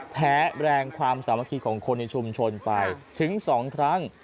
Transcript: แรงความสามัคคีของคนในชุมชนไปถึง๒ครั้ง